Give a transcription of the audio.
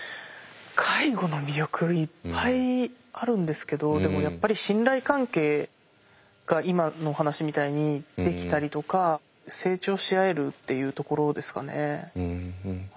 介護の魅力いっぱいあるんですけどでもやっぱり信頼関係が今のお話みたいにできたりとか成長し合えるっていうところですかね。